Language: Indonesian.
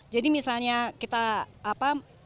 jadi misalnya kita apa